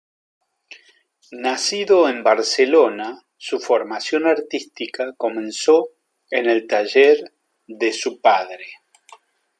Nacido en Barcelona, su formación artística comenzó en el taller de su padre.